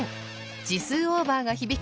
字数オーバーが響き